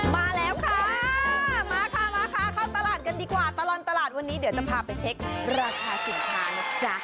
มาแล้วค่ะมาค่ะมาค่ะเข้าตลาดกันดีกว่าตลอดตลาดวันนี้เดี๋ยวจะพาไปเช็คราคาสินค้านะจ๊ะ